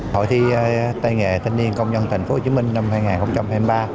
hội thi tây nghề thanh niên công nhân thành phố hồ chí minh năm hai nghìn hai mươi ba